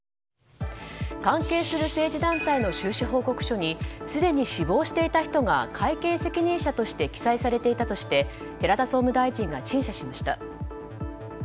関係する政治団体の収支報告書にすでに死亡していた人が会計責任者として記載されていたとして寺田総務大臣が陳謝しました。